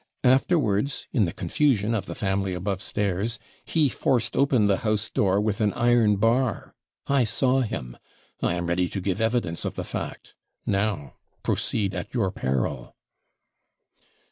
Afterwards, in the confusion of the family above stairs, he forced open the house door with an iron bar I saw him I am ready to give evidence of the fact. Now proceed at your peril.'